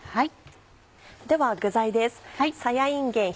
では具材です。